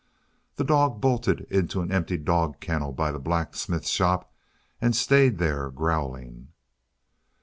The dog bolted into the empty dog kennel by the blacksmith's shop, and stayed there, growling.